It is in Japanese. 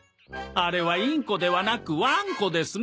あれはインコではなくワンコですね。